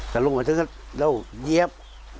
ก็ลงมาเทิดเราเยี๊บ